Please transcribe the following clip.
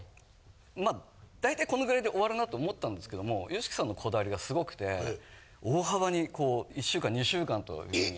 まあ大体この位で終わるなと思ったんですけどもＹＯＳＨＩＫＩさんのこだわりがすごくて大幅にこう１週間２週間という風に。